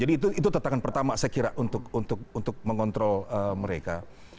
jadi itu tetanggan pertama saya kira untuk mengontrol mereka